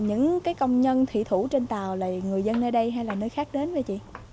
những công nhân thị thủ trên tàu là người dân nơi đây hay là nơi khác đến vậy chị